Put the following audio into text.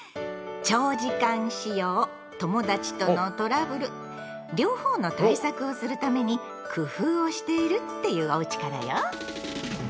長時間使用友達とのトラブル両方の対策をするために工夫をしているっていうおうちからよ。